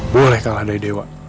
boleh kalah dari dewa